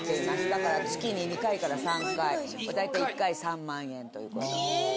だから月に２回から３回大体１回３万円ということで。